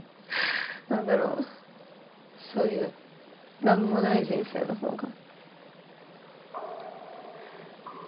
何だろうそういう何もない人生の方が。